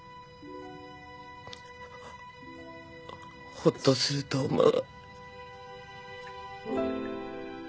ほっとすると思う。